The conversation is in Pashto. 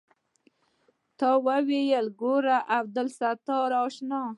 راته ويې ويل ګوره عبدالستاره اشنا.